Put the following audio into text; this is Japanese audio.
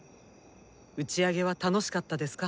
打ち上げは楽しかったですか？